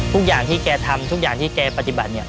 ทุกอย่างที่แกทำทุกอย่างที่แกปฏิบัติเนี่ย